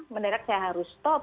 mendadak saya harus stop